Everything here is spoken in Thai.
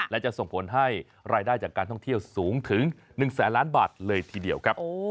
และจะส่งผลให้รายได้จากการท่องเที่ยวสูงถึง๑แสนล้านบาทเลยทีเดียวครับ